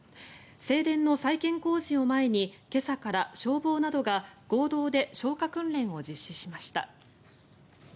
正殿の再建工事を前に今朝から消防などが合同で消火訓練を実施しました。